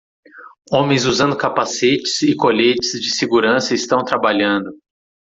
Homens usando capacetes e coletes de segurança estão trabalhando.